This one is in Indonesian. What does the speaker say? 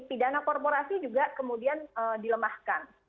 pidana korporasi juga kemudian dilemahkan